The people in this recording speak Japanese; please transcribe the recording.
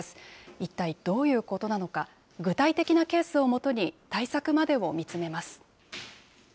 一体どういうことなのか、具体的なケースをもとに対策までを見つめます。